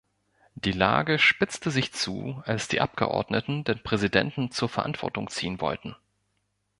Die Lage spitzte sich zu, als die Abgeordneten den Präsidenten zur Verantwortung ziehen wollten.